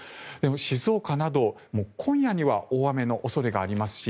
静岡など今夜には大雨の恐れがありますし